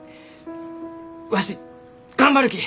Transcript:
わし頑張るき！